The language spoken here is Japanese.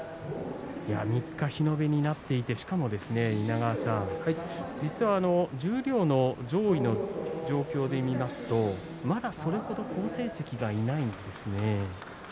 ３日、日延べになっていてしかも稲川さん実は十両の上位の状況で見ますとまだそれ程好成績がいないんですよね。